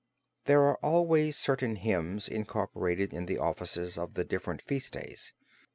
There are always certain hymns incorporated in the offices of the different Feast days.